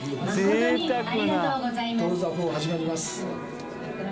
徹座４始まります。